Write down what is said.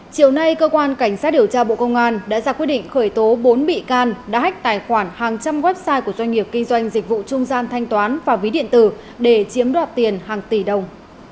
chiều nay cơ quan cảnh sát điều tra bộ công an đã ra quyết định khởi tố bốn bị can đã hách tài khoản hàng trăm website của doanh nghiệp kinh doanh dịch vụ trung gian thanh toán và ví điện tử để chiếm đoạt tiền hàng tỷ đồng